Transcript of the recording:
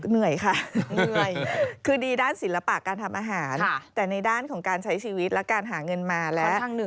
เหนื่อยค่ะเหนื่อยคือดีด้านศิลปะการทำอาหารแต่ในด้านของการใช้ชีวิตและการหาเงินมาแล้ว